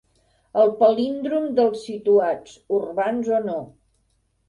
El palíndrom dels situats, urbans o no.